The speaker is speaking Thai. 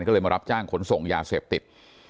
ก็เลยมารับจ้างขนส่งยาเสพติด